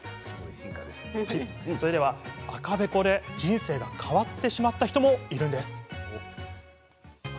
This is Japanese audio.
赤べこで人生が変わってしまった人もいるんです。